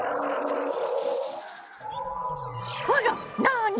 あらなに？